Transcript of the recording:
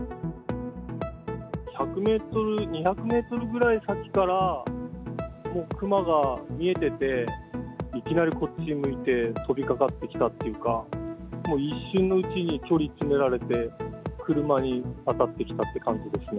１００メートル、２００メートルぐらい先から、もう熊が見えてて、いきなりこっち向いて飛びかかってきたっていうか、もう一瞬のうちに距離詰められて、車に当たってきたって感じですね。